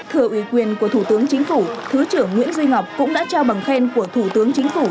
thừa ủy quyền của thủ tướng chính phủ thứ trưởng nguyễn duy ngọc cũng đã trao bằng khen của thủ tướng chính phủ